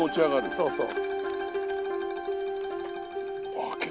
そうそう。